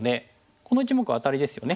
この１目アタリですよね。